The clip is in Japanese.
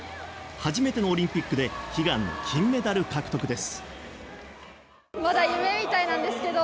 初めてのオリンピックで悲願の金メダル獲得です。